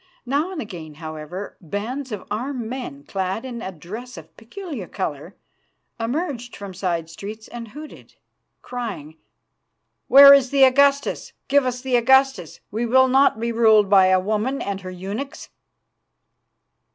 Now and again, however, bands of armed men, clad in a dress of a peculiar colour, emerged from side streets and hooted, crying: "Where is the Augustus? Give us the Augustus. We will not be ruled by a woman and her eunuchs!"